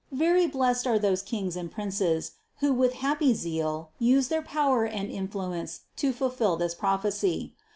Very blessed are those kings and princes, who with happy zeal use their power and influence to fulfill this prophecy.